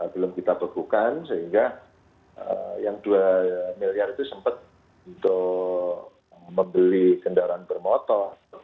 belum kita bekukan sehingga yang dua miliar itu sempat untuk membeli kendaraan bermotor